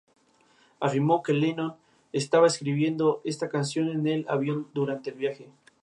Tres finalistas son seleccionados para competir.